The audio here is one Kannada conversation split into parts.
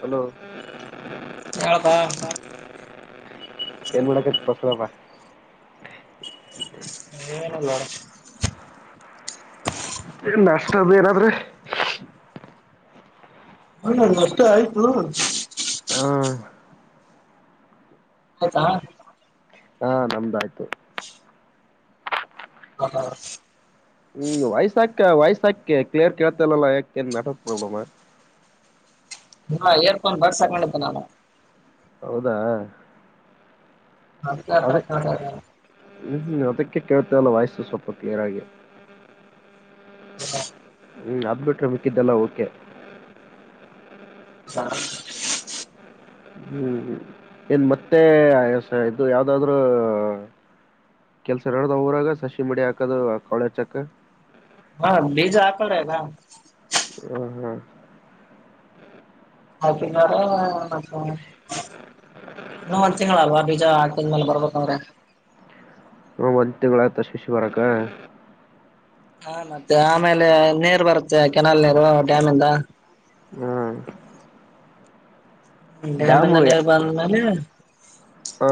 ಹಲೋ ಹೇಳಪ್ಪಾ ಏನ್ ಮಾಡಳಕ ಬಸದಪ್ಪ ನೀಏನಲ್ಲ ನಷ್ಟ ಅದ ಏನಾದ್ರೆ ಹ ಮಷ್ಟೆ ಆಯ್ತು ಹಾ ಹದಾ ಹಾ ನಮ್ದಾಯ್ತು ಹ ಹ್ಮ್ ವಯ್ಸಾಕ ವಯ್ಸಾಕೆ ಕ್ಲಿಯರ್ ಕೇಳ್ತಲ್ಲಾ ಯಾಕೆಏನ್ ನೆಟ್ವರ್ಕ್ ಪ್ರಾಬ್ಲಮಾ. ಹಾ ಏರ್ಫೋನ್ ಬರ್ಸಕೊಂಡಿದ್ದೆ ನಾನು. ಹೌದಾ. [unintelligible] ಹ್ಮ್ ಹ್ಮ್ ಅದಕ್ಕೆ ಕೇತೇಲ್ಲ ವಯಸ್ಸು ಸ್ವಲ್ಪಕೆಳಗೆ. ಹ್ಮ್ ಅ ಬಿಟ್ರೆ ಮಿಕ್ಕಿದ್ದಲ್ಲ ಓಕೆ. ಹ [unintelligible] ಹ್ಮ್ ಏನ್ ಮತ್ತೆ ಇದು ಯಾವ್ದಾದ್ರು. ಕೆಲ್ಸ ಎರಡ್ದ ಅವಊರಾಗ ಸಸಿ ಮಡಿ ಹಾಕದು ಕಾಜ್ ಚಕ್ಕ ಹಾ ಬೀಜ ಆಲ್ಲದಾ ಹ್ಮ ಹ್ಮ್ ಹದಿನರ ಇನ್ನು ಒಂದ್ ತಿಂ ಅಲ್ ಬಜಾಕಿದ ಮೇಲೆ ಬರ್ಬೇಕಂದ್ರೆ ಹ್ಮ್ ಒಂದ್ ತಿಂಗಳ ಆತ ಶಿಶು ಬರಾಕ. ಹಾ ಮತ್ತೆ ಆಮೇಲೆ ನೀರು ಬರುತ್ತೆ ಕೆನಾಲ್ ನೀರು ಡ್ಯಾಮಿಂದ. ಹ್ಮ್ ಡ್ಯಾಮು ಡ್ಯಾಮೆಲ್ಲ ನೀರ ಯ- ಬಂದ್ಮೇಲೆ. ಹಾ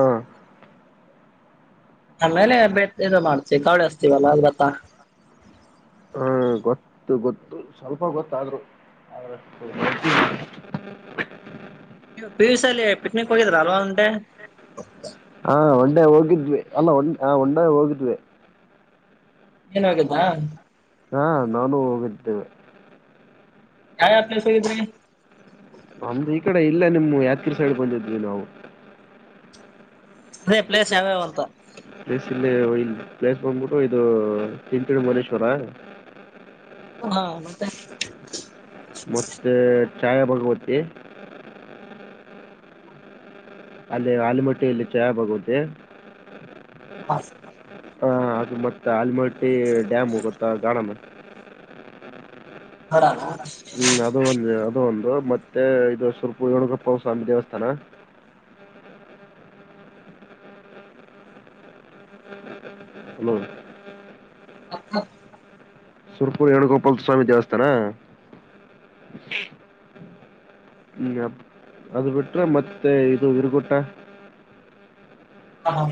ಆಮೇಲೆ ಬೆ ಇ ಮಾಡ್ತೀವಿ ಕಾವಳೆಸ್ತೀವಲ್ಲ ಅದ ಗೊತ್ತಾ. ಹಾ ಗೊತ್ತು ಗೊತ್ತು ಸ್ವಲ್ಪ ಗೊತ್ತಾದ್ರು. [inaudible] ನೀ ಪಿ ಯು ಸಿ ಅಲ್ಲಿ ಪಿಕ್ನಿಕ್ ಹೋಗಿದ್ರ ಅಲ್ವಾ ಒನ್ ಡೇ. ಹಾ ಒನ್ ಡೇ ಹೋಗಿದ್ವಿ ಅಲ್ಲ ಹ ಒನ್ ಡೇ ಹೋಗಿದ್ವಿ. ಏನು ಆಗಿಲ್ವಾ. ಹಾ ನಾನು ಹೋಗಿದ್ದೆ. ಯಾವ್ ಯಾವ್ ಪ್ಲೇಸಲಿದ್ರಿ. ನಮ್ದ್ ಈ ಕಡೆ ಇಲ್ಲೆ ನಿಮ್ಮು ಯಾದ್ಗೀರಿ ಸೈಡ್ ಬಂದಿದ್ದ್ವಿ ನಾವು. ಪ್ಲೇ ಪ್ಲೇಸ್ ಯಾವ್ಯಾವ ಅಂತ. ಪ್ಲೇಸ್ ಇಲ್ಲಿ ಇ ಪ್ಲೇಸ್ ಬಂದ್ಬಿಟ್ಟು ಇದು [unintelligible] ಮಣೇಶ್ವರ. ಹಾ ಮತ್ತೆ. ಮತ್ತೆ ಚಾಯ ಬಗವತ್ತಿ. ಅಲ್ಲಿ ಆಲಿಮಟ್ಟಿ ಯಲ್ಲಿ ಚಾಯಾ ಬಗವತಿ. [inaudible] ಹ ಅದುಮಟ್ಟ ಆಲಮಟ್ಟಿ ಡ್ಯಾಮು ಗೊತ್ತಾ [unintelligible] [inaudible] ಹ್ಮ ಅದು [unintelligible] ಒಂದು ಅದು ಒಂದು ಮತ್ತೆ ಇದು ಸುರ್ಪು ಏಣುಗಪ್ಪ ಸ್ವಾಮಿ ದೇವಸ್ಥಾನ. ಹಲೋ. [inaudible] ಸುರ್ ಪುರ್ ವೇಣುಗೋಪಾಲ್ ಸ್ವಾಮಿ ದೇವಸ್ಥಾನಾ. [inaudible] ಹ್ಮ ಅದ ಬಿಟ್ರೆ ಮತ್ತೆ ಇದು ಇರ್ಗುಟ್ಟ. ಹ.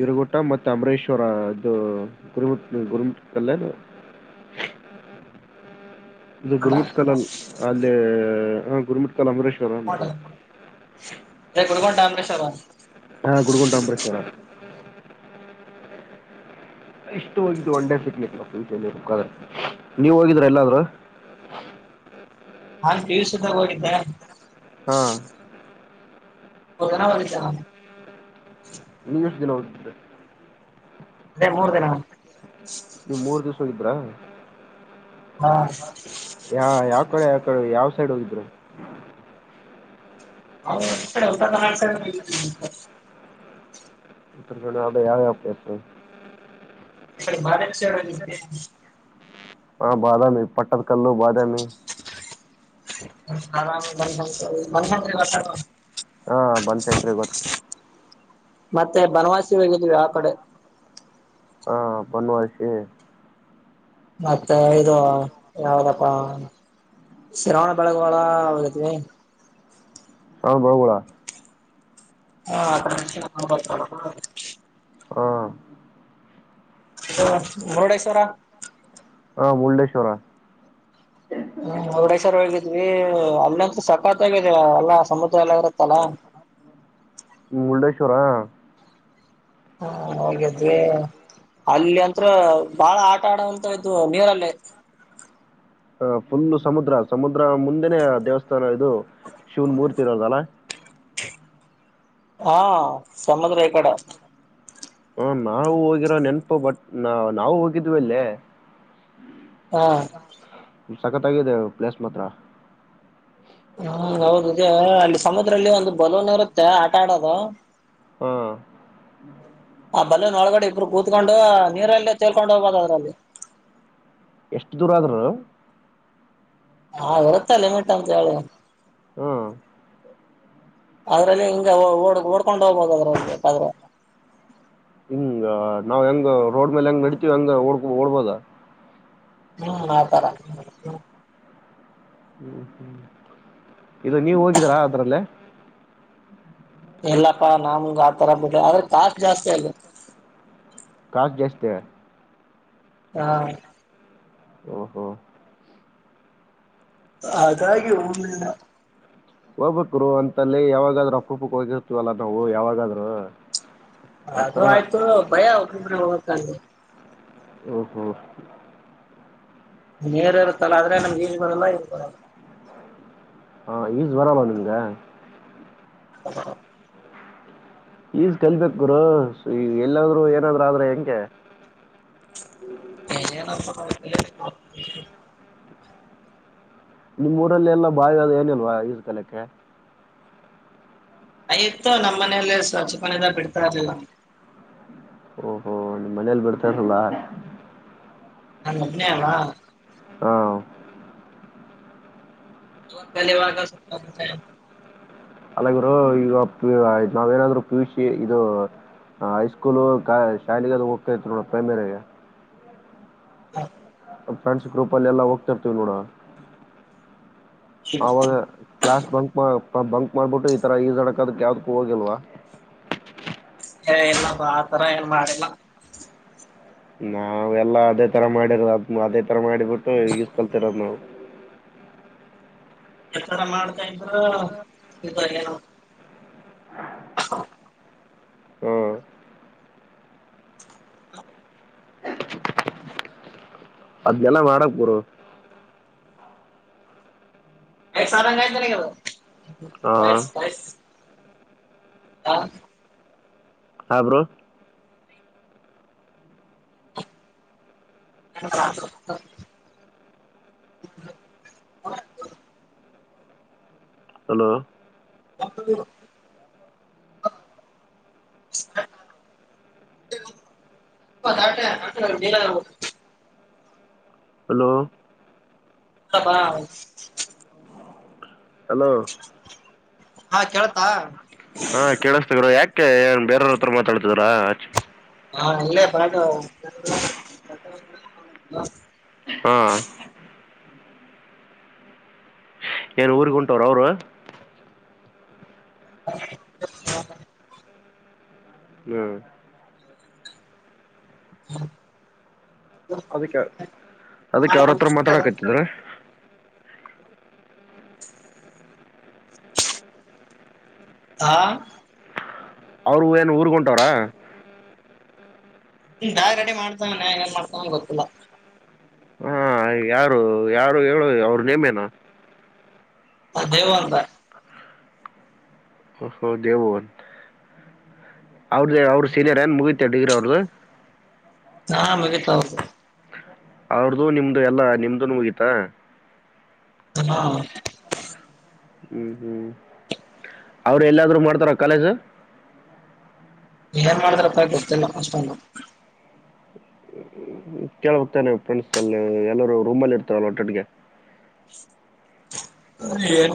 ವರುಗುಟ್ಟ ಮತ್ತೆ ಅಂಬರೇಶ್ವರ ಇದು ಗುರುಮುಟ್ಟ ಗುರುಮುಟ್ಟಲ್ಲೇನು. ಇದು ಗುರುಮಿಟ್ ಕಲ್ ಅಲ್ಲಿ ಅಲ್ಲಿ ಹ ಗುರುಮಿಟ್ ಕಲ್ ಅಂಬರೀಷ್ [unintelligible] ಹಾ ಗುರ್ಗುಟ್ ಅಂಬರೇಶ್ವರ. ಎಷ್ಟು ಹೋಗಿದ ಒನ್ ಡೇ ಸಿಗ್ಲಿಕ್ ಮು ನೀವ್ ಹೋಗಿದ್ರ ಎಲ್ಲಾದ್ರೂ. ನಾನ್ ಪಿ ಯು ಸಿ ಇದ್ದಾಗ ಹೋಗಿದ್ದೆ. ಹಾ. [unintelligible] [unintelligible] ಅದೇ ಮೂರ್ ದಿನ. ನೀವ್ ಮೂರ್ ದಿವ್ಸಸು ಹೋಗಿದ್ರಾ. ಹಾ. ಯಾ ಯಾವ್ ಕಡೆ ಯಾವ ಕಡೆ ಯಾವ್ ಸೈಡ್ ಹೋಗಿದ್ರಿ. [inaudible] [unintelligible] ಯಾವ್ ಯಾವ್ ಪ್ಲೇಸು. [inaudible] ಹಾ ಬಾದಾಮಿ ಪಟ್ಟದ್ ಕಲ್ಲು ಬಾದಾಮಿ. [inaudible] ಬನಶಂಕರಿ ಬನಶಂಕ್ರಿ ಬಸ್ ಟ್ಯಾಪ್ಪು. ಹಾ ಬನಶಂಕರಿ ಗೊತ್ತು ಮತ್ತೆ ಬನವಾಸಿ ಹೋಗಿದ್ವಿ ಆ ಕಡೆ ಹಾ ಬನವಾಸಿ ಮತ್ತೆ ಇದು ಯಾವ್ದಪ್ಪ ಶ್ರಾವಣ ಬೆಳಗೊಳ ಹೋಗಿದ್ವಿ ಶ್ರಾವಣ ಬೆಳಗೊಳ [unintelligible] ಹಾ ಮುರುಡೇಶ್ವರ ಹಾ ಮುರೂಡೇಶ್ವರ ಹ್ಮ್ ಮುಡೇಶ್ವರ್ ಹೋಗಿದ್ವಿ ಅಲ್ಲಂತು ಸಖತಾಗಿ ಇದೆ ಎಲ್ಲಾ ಸಮುದ್ರ ಎಲ್ಲಾ ಇರುತ್ತಲ್ಲಾ ಮುರುಡೇಶ್ವರ ಹಾ ಹೋಗಿದ್ವಿ ಅಲ್ಲಿ ಅಂತ್ರು ಬಾಳ ಆಟ ಆಡುವಂತದ್ದು ಇದ್ವು ನೀರಲ್ಲಿ ಅ ಫುಲ್ ಸಮುದ್ರ ಸಮುದ್ರ ಮುಂದೆನೇ ದೇವಸ್ಥಾನ ಇದು ಶಿವನ್ ಮೂರ್ತಿ ಇರೋದಲ್ಲ. ಹಾ ಸಮುದ್ರ ಈಕಡೆ ಹು ನಾ ನಾವು ಹೋಗಿರೋ ನೆನಪು ಬಟ್ ನ ನಾವು ಹೋಗಿದ್ವಿ ಅಲ್ಲಿ. ಹಾ ಸಖತಾಗಿದೆ ಪ್ಲೇಸ್ ಮಾತ್ರ. ಹ್ಮ್ ಹೌದು ಇದೆ ಅಲ್ಲಿ ಸಮುದ್ರದಲ್ಲಿ ಒಂದು ಬಲೂನ್ ಇರುತ್ತೆ ಆಟ ಆಡೋದು. ಹ್ಮ ಆ ಬಲೂನ್ ಒಳಗಡೆ ಇಬ್ರು ಕೂತ್ಕೊಂಡು ನೀರಲ್ಲೇ ತೇಲ್ಕೊಂಡು ಹೋಗಬಹುದು ಅದ್ರಲ್ಲಿ ಎಷ್ಟು ದೂರ ಆದ್ರು ಇರುತ್ತೆ ಲಿಮಿಟ್ ಅಂತ ಹೇಳಿ. ಹ್ಮ್ ಅದ್ರಲ್ಲಿ ಹಿಂಗ ಓ ಓಡ್ಕೊಂಡ್ ಹೋಗ್ಬದು ಅದ್ರಂಗೆ ಆದ್ರ ಹಿಂಗ ನಾವ್ ಹೆಂಗ ರೋಡ್ ಮೇಲೆ ಹೆಂಗ ನೆಡಿತೀವಿ ಹೆಂಗ ಓಡ್ ಓಡ್ಬೋದ. ಹ್ಮ್ ಆತರ ಹ್ಮ್ ಹ್ಮ್ ಇದು ನೀವು ಹೋಗಿದ್ರ ಅದ್ರಲ್ಲಿ ಎಲ್ಲಪ್ಪಾ ನಮಗೆ ಆ ತರಬಿಡು ಆದ್ರೆ ಚಾರ್ಜ್ ಜಾಸ್ತಿ ಅಲ್ಲಿ ಕಾಸ್ಟ್ ಜಾಸ್ತಿ. ಹಾ ಓಹೋ ಹಾಗಾಗಿ ಹೋಗಿಲ್ಲ ಹೋಗ್ಬೇಕಕ್ರು ಅಂತಲ್ಲಿ ಯಾವಾಗಾದ್ರು ಅಪರೂಪಕ್ಕೆ ಹೋಗಿರ್ತವಲ್ಲ ನಾವು ಯಾವಾಗಾದ್ರು ಅ ಅದು ಆಯ್ತು ಭಯ ಒಬ್ಬೊಬ್ರ ಹೋಗಾಕ್ಕ ಅಲ್ಲಿ ಓಹೋ ನೀರು ಇರುತ್ತಲ್ಲ ಆದ್ರೆ ನಮ್ಗೆನ್ ಈಜು ಬರಲ್ಲ ಏನು ಬರಲ್ಲ ಈಜು ಬರಲ್ವಾ ನಿಮಗೆ [inaudible] ಈಜು ಕಲಿಬೇಕು ಗುರು ಎಲ್ಲಾದ್ರು ಏನಾದ್ರು ಆದ್ರೆ ಹೆಂಗೆ. [unintelligible] ನಿಮ್ ಊರಲ್ಲಿ ಎಲ್ಲ ಭಾವಿ ಅದು ಏನಿಲ್ವಾ ಈಜು ಕಲಿಯೋಕೆ ಆಯ್ತ ನಮ್ಮ ಮನೆಯಲ್ಲೇ ಸ್ವಛಕನದ ಬಿಡ್ತಾ ಇರ್ಲಿಲ್ಲ. ಓಹೋ -ಹೊ ಮನೇಲಿ ಬಿಡ್ತಾರ ಇಲಾ ನಾ ಒಬ್ಬನೇ ಅಲ್ವಾ ಹಾ [inaudible] ಅಲ್ಲರು ಈಗ ನಾವೇನಾದ್ರು ಪುಷಿ ಇದು ಹೈಸ್ಕೂಲು ಶಾಲೆಗೆ ಅದು ಹೋಗ್ತಾ ಇತ್ತು ನೋಡ ಪ್ರೈಮರಿ ಹಾ ಫ್ರೆಂಡ್ ಗ್ರಪ್ಲ್ಲಿಲ್ಲ ಹೋಗ್ತಿರ್ತಿ ನೋಡ ಆಗ ಕ್ಲಾಸ್ ಬಂಕ್ ಬಂಕ್ ಮಾಡ್ಬಿಟ್ಟು ಈ ತರ ಈಜಾಡಕಕ್ ಅದಕ್ ಯಾವ್ದು ಹೋಗಿಲ್ವಾ ಇಲ್ಲಪ್ಪ ಆ ತರ ಏನ್ ಮಾಡಿಲ್ಲ ನಾವ ಎಲ್ಲಾ ಅದೇ ತರ ಮಾಡಿದ ಅದೇ ತರ ಮಾಡಿಬಿಟ್ಟು ಈಸ್ಕಲ್ತಿರೋದು ನಾವು ಎ ತರ ಮಾಡ್ತಾ ಇದ್ರ ಹ ಹ್ ಅದ್ಗೆಲ್ಲ ಮಾಡಕ್ ಬುರು ಕ ಸಾರಂಗಾಯತನೆಗೆ ಬ ಹಾಂ ಕಸ್ ಕಸ್ ಹಾ ಹಾಬ್ರು ಹಾ ಹಲೋ ಹಾ [unintelligible] ಹ ಹಲೋ ಹವಾ ಹಲೋ ಹಾ ಕಳ್ತಾ ಹಾ ಕೇಳಿಸಸ್ತ್ ಯಾಕೆ ಏನ್ ಬೇರ್ರ ಹತ್ರ ಮಾತಾಡ್ತಿದ್ರಾ ಹಾ ಇಲ್ಲೇ ಪರಾಟ ಹಾ ಏನ್ ಊರ್ಗ್ ಉಂಟೋರು ಅವ್ರು ಹ ಹ್ಮ್ ಹ ಅದಕ್ಕೆ ಅದಕ್ ಯ್ರ ಹತ್ರ ಮಾತಾಡಕತ್ತಿದ್ರ ಹಾ ಅವ್ರರು ಏನ್ ಊರ್ಗ ಹೊಂಟವ್ರಾ [unintelligible] ರೆಡಿ ಮಾಡ್ತವ ಏನ್ ಮಾಡ್ತವ ಗೊತ್ತಿಲ್ಲ ಹ ಯಾರು ಯಾರು ಹೇಳು ಅವ್ರ ನೇಮೇನ ಅ ದೇವ ಅಂತ ಹ ಹ ದೇವಬೋನ್ ಅವ್ರ್ದ ಅವ್ರ ಸೀನಿಯರ್ ಏನ್ ಮುಗಿತ ಡಿಗ್ರಿ ಅವ್ರದ್ದು ಹಾ ಮಗ ತ ಹದು ಅವ್ರದುು ನಿಮ್ದು ಎಲ್ಲಾ ನಿಮ್ದುನು ಮುಗೀತಾ ಹಾ ಹ್ಮ್ ಹ್ಮ್ ಅವ್ರು ಎಲ್ಲಾದರೂ ಮಾಡ್ತಾರೆ ಕಲೆಸರ್ ಏನ್ ಮಾಡಿದ್ರಪ್ಪ ಗೊತ್ತಿಲ್ಲ ಅಷ್ಟಲ್ಲ ಕೇಳ್ ಹತೇನೆ ಫ್ರೆಂಡ್ಸ್ ಅಲ್ಲಿ ಎಲ್ಲರು ರೂಮಲ್ಲಿ ಇರ್ತಾರಲ್ಲ ಹೊಟೆಡ್ಗೆ ಏನ್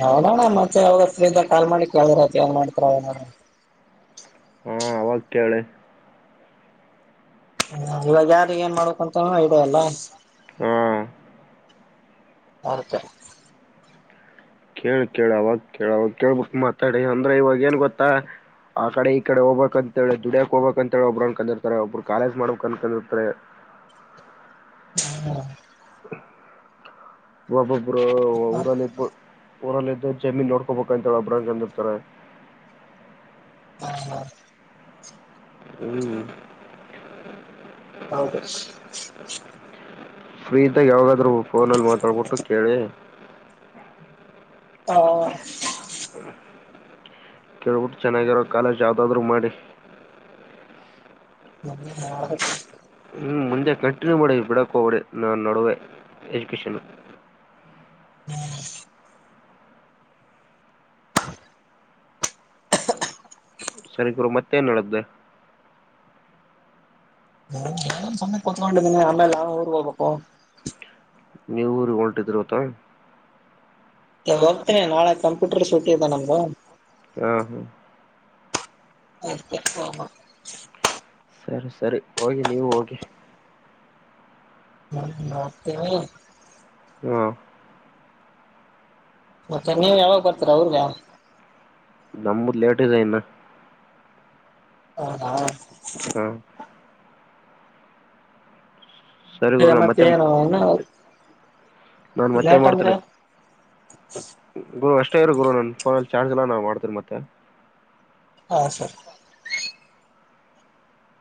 ನೋಡೋಣ್ಣ ಮತ್ತೆ ಅವಾಗಿಂದ ಕಾಲ್ ಮಾಡಿ ಕೇಳ್ದಾರತ್ ಏನ್ ಮಾಡ್ತಾರನ ಹ ಕೇಳಿ ಹ ಇವಾಗ ಯಾರಿ ಏನ್ ಮಾಡ್ಕ್ ಅಂತೂ ಇ ಅಲ್ಲ ಹಾ ಅವತ ಕೇಳ ಕೇಳಾವಾಗ ಕೇಳಾವ ಕೇಳ್ಬ ಮಾತಾಡಿ ಅಂದ್ರೆ ಇವಾಗ ಏನ್ ಗೊತ್ತಾ ಆ ಕಡೆ ಈ ಕಡೆ ಹೋಗ್ಬೇಕಕ್ಂತಿ ದುಡಿಯಕಕ್ಗಬೇಕಕ್ ಅಂತ ಹೇಳ ಒಬರು ಅನ್ಕಂದಿರ್ ಒಬ್ರು ಕಾಲೇಜ್ ಮಾಡಬೇಕ ಅನ್ಕಂದಿರ್ತಾರೆ ಹ್ಮ ಒಬ್ಬೊಬ್ರು ಊರಲ್ಲಿ ಇದಬ ಊರಲ್ಲಿ ಇದು ಜಮೀನ್ ನೋಡ್ಕೋಬೇಕ ಅಂತಿ ಒಬ್ಬ್ರಂದಿರ್ತಾರೆ ಹಾ ಹಾ ಹ್ಮ್ ಹಾಕ್ರೇಶ್ ಫ್ರೀತಾಗ ಯಾವಾಗಾದ್ ಫೋನಲ್ಲಿ ಮಾತಾಡ್ಬಿಟ್ಟು ಕೇಳಿ ಹಾ ಕೇಳ್ಬಿಟ್ಟು ಚೆನ್ನಾಗಿರೋ ಕಾಲೇಜ್ ಯಾವ್ದಾದ್ರರು ಮಾಡಿ ಹ ಹ್ಮ್ ಮುಂದೆ ಕಂಟಿನ್ಯೂ ಮಾಡ ಬಿಡಕ್ ಹೋಗಡಿ ನನ್ನ ನಡುವೆ ಎಜುಕೇಷನ್ ಸರಿ ಗುರು ಮತ್ತೇಏನ್ ಹೇಳ್ದೆ ನಂದ ಸಮ್ಮಯನೆ ಕತ್ಕೊಂಡಿದಿನಿ ಆಮೇಲೆ ಊರ್ಗ್ ಹೋಗಬೇಕು ನೀವರು ಹೊಲ್ಟ ಇದಿರ್ವತ್ತ ನೀ ಹೋಗ್ತೀನಿ ನಾಳೆ ಕಂಪ್ಯೂಟರ್ ಸುಟ್ಟಿದ್ದ ನಮಗು ಹ್ಮ ಹ್ಮ ಓಕೆ ಹಾ ಸರಿ ಸರಿ ಹೋಗಿ ನೀವು ಹೋಗಿ ಹ್ಮ ಮತ್ತೇ ಹ್ಮ ಮತ್ತೆ ನೀವ ಯಾವಾಗ ಬರ್ತರಾ ಅವ್ರಗ ನಮಂಬುದ್ ಲೇಟ್ ಇದೆ ಇನ್ನು ಹ ಹಾ ಹಾ ಸರಿ ಗುರು ನಾನು ಮತ್ತೆ ಅಮ್ಮತ್ತೇನು ನಾನ್ ಮತ್ತೆ ಮಾಡ್ತೇನೆ ಗುರು ಅಷ್ಟೇ ಇರು ಗುರು ನನ್ ಫೋಲ್ಲಿ ಚಾರ್ಜ್ ಎಲ್ಲ ನಾಮಾಡ್ತೀರಿ ಮತ್ತೆ ಹಾ ಸರ್